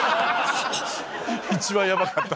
一番ヤバかった。